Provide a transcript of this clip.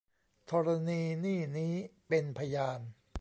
ธรณีนี่นี้ เป็นพยาน